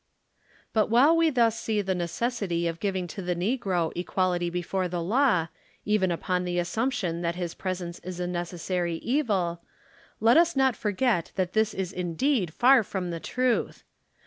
But while we thus see the necessity of giving to the negro equality before the law, even upon the assumption that his presence is a necessary evil, let us not forget that this is indeed far from the truth.